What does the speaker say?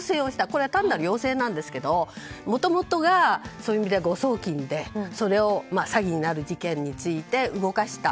これは単なる要請なんですがもともとが誤送金でそれを詐欺になる事件について動かした。